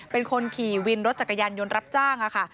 เป็นคนขี่วินรถจักรยานยนต์รับจ้างค่ะ